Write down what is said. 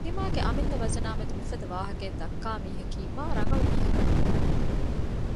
ތިމާގެ އަމިއްލަ ވަޒަނާމެދު މިފަދަ ވާހަކައެއް ދައްކާ މީހަކީ މާ ރަނގަޅު މީހަކަށް ނުވާނެ